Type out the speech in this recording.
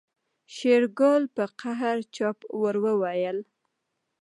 شېرګل په قهر چپ ور وويل.